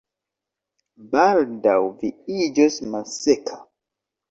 Baldaŭ vi iĝos malseka